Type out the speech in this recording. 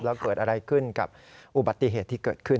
แล้วเกิดอะไรขึ้นกับอุบัติเหตุที่เกิดขึ้น